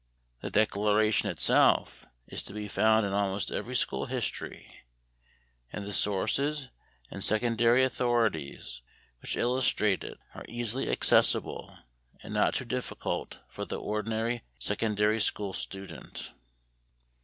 The Declaration itself is to be found in almost every school history, and the sources and secondary authorities which illustrate it are easily accessible and not too difficult for the ordinary secondary school student.